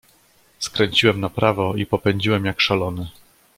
"Skręciłem na prawo i popędziłem, jak szalony."